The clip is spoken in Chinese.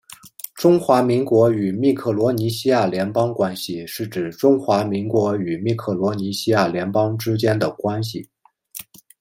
中华民国与密克罗尼西亚联邦关系是指中华民国与密克罗尼西亚联邦之间的关系。